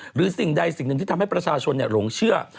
สิ่งใดสิ่งหนึ่งที่ทำให้ประชาชนหลงเชื่อ